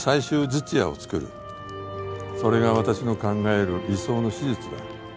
それが私の考える理想の手術だ。